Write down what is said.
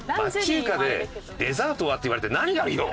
中華で「デザートは？」って言われて何があるよ！